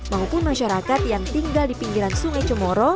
maupun masyarakat yang tinggal di pinggiran sungai cemoro